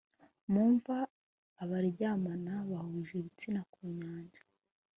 mu mva, abaryamana bahuje ibitsina, ku nyanja.